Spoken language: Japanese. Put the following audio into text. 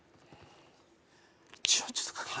一応ちょっと描けた